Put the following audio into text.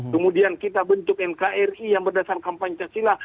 kemudian kita bentuk nkri yang berdasarkan pancasila